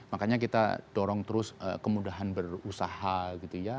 makanya kita dorong terus kemudahan berusaha gitu ya